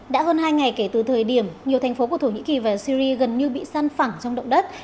đã hơn hai ngày kể từ thời điểm nhiều thành phố của thổ nhĩ kỳ và syria gần như bị săn phẳng trong động đất